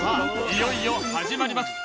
いよいよ始まります